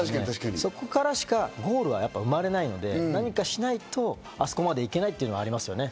そこからしかやっぱりゴールは生まれないので、何かしないとあそこまで行けないというのはありますよね。